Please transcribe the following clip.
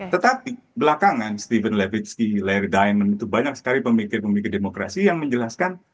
tetapi belakangan stephen levitriski larry diamond itu banyak sekali pemikir pemikir demokrasi yang menjelaskan